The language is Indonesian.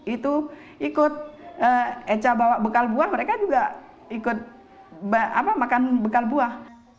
itu ikut echa bawa bekal buah mereka juga ikut makan bekal buah